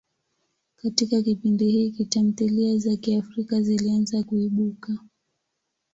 Katika kipindi hiki, tamthilia za Kiafrika zilianza kuibuka.